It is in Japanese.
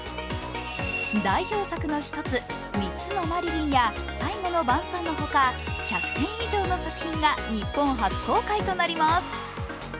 代表作の一つ「三つのマリリン」や「最後の晩餐」の他１００点以上の作品が日本初公開となります。